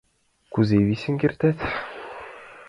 Кузе висен кертат?..